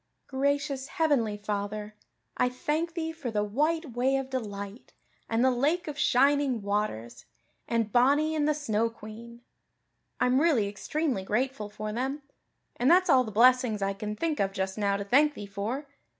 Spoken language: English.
"Gracious heavenly Father, I thank Thee for the White Way of Delight and the Lake of Shining Waters and Bonny and the Snow Queen. I'm really extremely grateful for them. And that's all the blessings I can think of just now to thank Thee for.